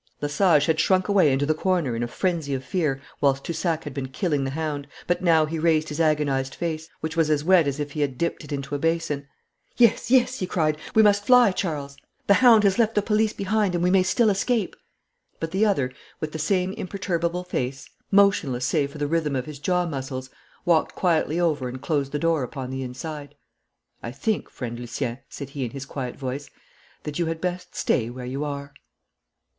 Lesage had shrunk away into the corner in a frenzy of fear whilst Toussac had been killing the hound, but now he raised his agonised face, which was as wet as if he had dipped it into a basin. 'Yes, yes,' he cried; 'we must fly, Charles. The hound has left the police behind, and we may still escape.' But the other, with the same imperturbable face, motionless save for the rhythm of his jaw muscles, walked quietly over and closed the door upon the inside. 'I think, friend Lucien,' said he in his quiet voice, 'that you had best stay where you are.'